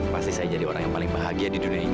pasti saya jadi orang yang paling bahagia di dunia ini